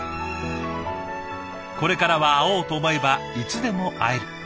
これからは会おうと思えばいつでも会える。